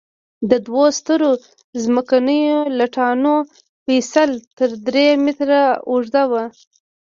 د دوو سترو ځمکنیو لټانو فسیل تر درې مترو اوږده وو.